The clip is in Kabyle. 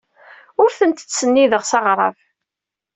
Ur tent-ttsennideɣ s aɣrab.